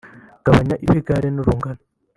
Gabanya ibigare n'urungano